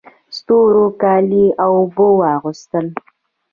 ستورو کالي د اوبو واغوستله